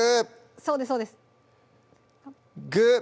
そうですそうですグッ